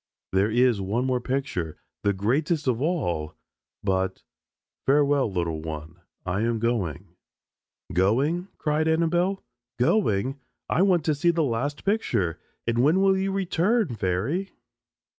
There is one more picture the greatest of all, but farewell, little one, I am going." "Going?" cried Annabelle. "Going? I want to see the last picture and when will you return, fairy?"